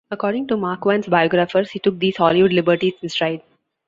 According to Marquand's biographers, he took these Hollywood liberties in stride.